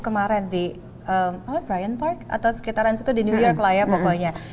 kemarin di brian park atau sekitaran situ di new york lah ya pokoknya